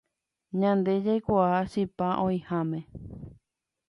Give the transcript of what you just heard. Ñande jaikuaa chipa oĩháme